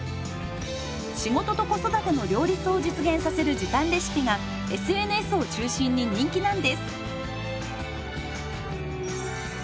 仕事と子育ての両立を実現させる時短レシピがＳＮＳを中心に人気なんです。